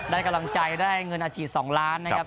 ได้กำลังใจได้เงินอาชีพ๒ล้านนะครับ